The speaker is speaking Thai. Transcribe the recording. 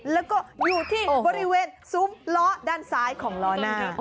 แล้วก็อยู่ที่บริเวณซุ้มล้อด้านซ้ายของล้อหน้า